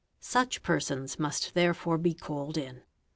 Such persons must therefore called in.